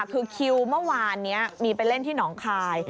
คือคิวเมื่อวานนี้มีไปเล่นที่หนองคาย